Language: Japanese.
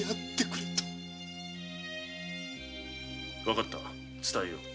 分かった伝えよう。